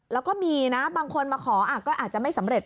แล้วก็มีนะบางคนมาขอก็อาจจะไม่สำเร็จ